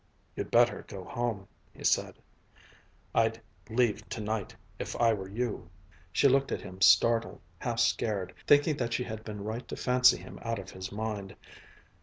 "You'd better go home," he said. "I'd leave tonight, if I were you." She looked at him startled, half scared, thinking that she had been right to fancy him out of his mind.